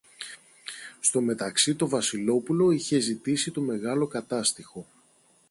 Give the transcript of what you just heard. στο μεταξύ το Βασιλόπουλο είχε ζητήσει το μεγάλο Κατάστιχο